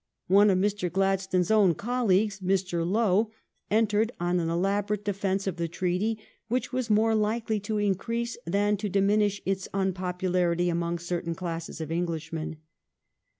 One of Mr. Gladstone's own colleagues, Mr. Lowe, entered on an elaborate defence of the treaty, which was more likely to increase than to diminish its unpopularity among certain classes of Englishmen.